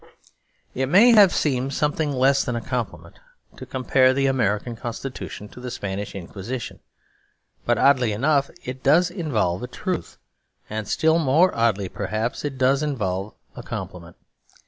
It may have seemed something less than a compliment to compare the American Constitution to the Spanish Inquisition. But oddly enough, it does involve a truth; and still more oddly perhaps, it does involve a compliment.